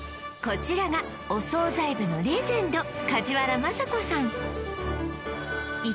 こちらがお惣菜部のレジェンド